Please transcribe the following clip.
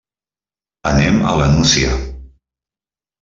Anem a la Nucia.